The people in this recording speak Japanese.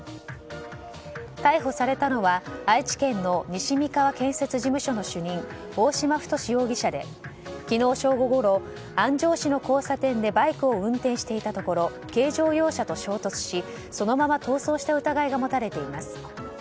逮捕されたのは愛知県の西三河建築事務所の主任大島太志容疑者で、昨日正午ごろ安城市の交差点でバイクを運転していたところ軽乗用車と衝突しそのまま逃走した疑いが持たれています。